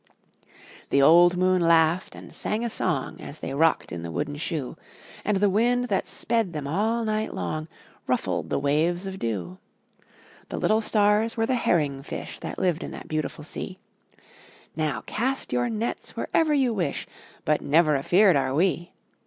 The old moon laughed and sang a song, As they rocked in the wooden shoe, And the wind that sped them all night long Ruffled the waves of dew. The little stars were the herring fish That lived in that beautiful sea — "Now cast your nets wherever you wish — But never afeared are we!